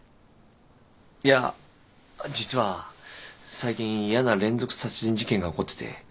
いや実は最近嫌な連続殺人事件が起こってて。